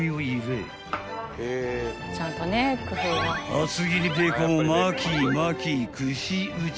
［厚切りベーコンを巻き巻き串打ち］